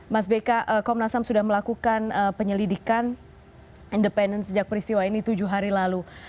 mas beka komnas ham sudah melakukan penyelidikan independen sejak peristiwa ini tujuh hari lalu